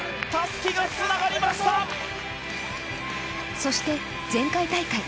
そして、前回大会。